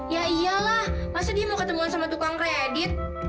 ya iyalah masa dia mau ketemuan sama tukang kredit